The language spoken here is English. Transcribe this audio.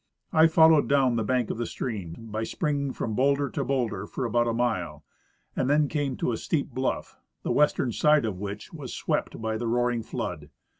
I followed down the bank of the stream, by springing from bowlder to bowlder, for about a mile, and then came to a steep bluff, the western side of which was swept by the roaring flood.